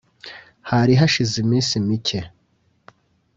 Hari hashize iminsi mike